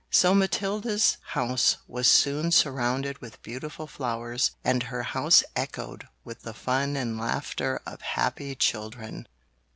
So Matilda's house was soon surrounded with beautiful flowers and her house echoed with the fun and laughter of happy children.